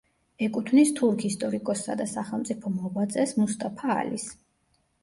ეკუთვნის თურქ ისტორიკოსსა და სახელმწიფო მოღვაწეს მუსტაფა ალის.